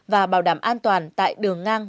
và bảo đảm an toàn tại đường ngang